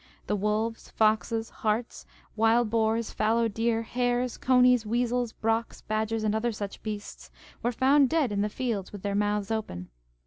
The wolves, foxes, harts, wild boars, fallow deer, hares, coneys, weasels, brocks, badgers, and other such beasts, were found dead in the fields with their mouths open.